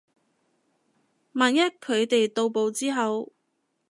萬一佢哋到埗之後